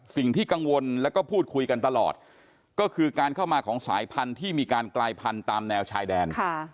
สิ่งที่กังวลแล้วก็พูดคุยกันตลอดก็คือการเข้ามาของสายพันธุ์ที่มีการกลายพันธุ์ตามแนวชายแดน